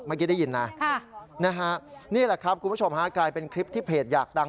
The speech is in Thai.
เมื่อกี้ได้ยินนะนี่แหละครับคุณผู้ชมฮะกลายเป็นคลิปที่เพจอยากดัง